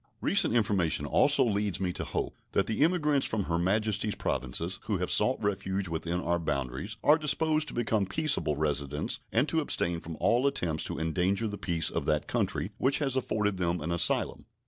Recent information also leads me to hope that the emigrants from Her Majesty's Provinces who have sought refuge within our boundaries are disposed to become peaceable residents and to abstain from all attempts to endanger the peace of that country which has afforded them an asylum.